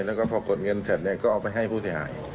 แล้วก็พอกดเงินเสร็จเนี่ยก็เอาไปให้ผู้เสียหาย